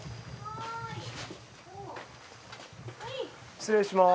失礼します。